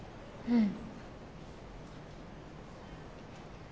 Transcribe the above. うん。